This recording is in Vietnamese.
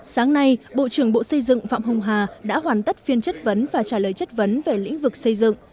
sáng nay bộ trưởng bộ xây dựng phạm hùng hà đã hoàn tất phiên chất vấn và trả lời chất vấn về lĩnh vực xây dựng